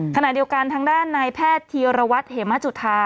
ขณะเดียวกันทางด้านในแพทยวรวรรษเหมจุธา